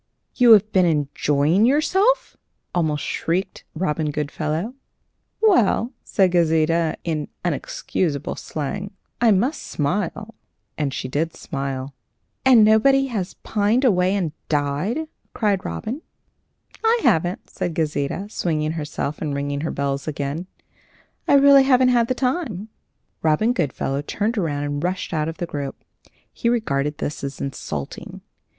"You have been enjoying yourself?" almost shrieked Robin Goodfellow. "Well," said Gauzita, in unexcusable slang, "I must smile." And she did smile. "And nobody has pined away and died?" cried Robin. "I haven't," said Gauzita, swinging herself and ringing her bells again. "I really haven't had time." Robin Goodfellow turned around and rushed out of the group. He regarded this as insulting.